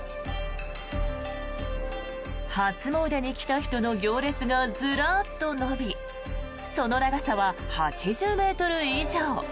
初詣に来た人の行列がずらっと延びその長さは８０ｍ以上。